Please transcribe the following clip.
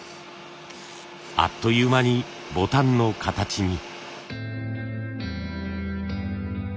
あっという間にボタンの形に。